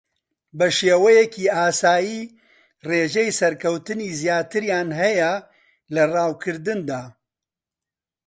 بە شێوەیەکی ئاسایی ڕێژەی سەرکەوتنی زیاتریان ھەیە لە ڕاوکردندا